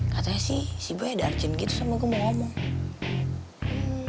katanya sih si gue ada arcin gitu sama gue mau ngomong